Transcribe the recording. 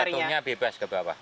karena jatuhnya bebas ke bawah